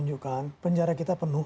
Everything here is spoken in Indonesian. dan juga penjara kita penuh